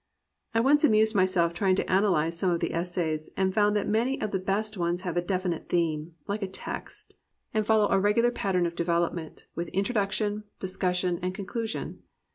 I once amused myseK trying to analyze some of the essays, and found that many of the best ones have a definite theme, like a text, and follow a regular plan of de 351 COMPANIONABLE BOOKS velopment, with introduction, discussion, and con clusion.